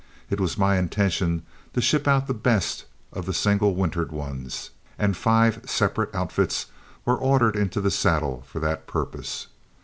It was my intention to ship out the best of the single wintered ones, and five separate outfits were ordered into the saddle for that purpose.